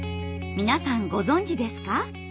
皆さんご存じですか？